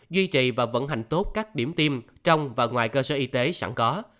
duy trì và vận hành tốt các điểm tiêm trong và ngoài cơ sở y tế sẵn có